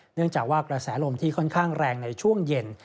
เนื่องจากว่ากระแสลมที่ค่อนข้างแรงในช่วงเย็น